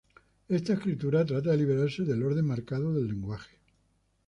Esta escritura trata de liberarse del orden marcado del lenguaje.